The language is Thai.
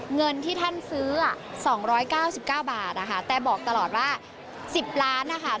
เงินที่ท่านซื้อ๒๙๙บาทนะคะแต่บอกตลอดว่า๑๐ล้านนะคะ